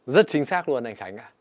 rất chính xác luôn anh khánh ạ